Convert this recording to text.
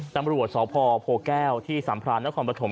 ตำรวจสพโพแก้วที่สัมพรานนครปฐม